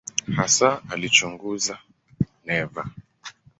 Hasa alichunguza neva.